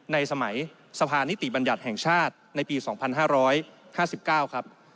ในสมัยสภานิติบัญญัติแห่งชาติในปี๒๕๕๙ครับ